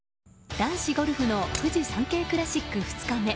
男子ゴルフのフジサンケイクラシック２日目。